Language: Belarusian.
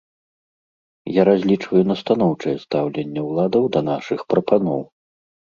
Я разлічваю на станоўчае стаўленне ўладаў да нашых прапаноў.